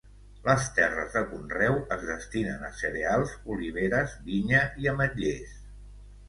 Les terres de conreu es destinen a cereals, oliveres, vinya i ametllers.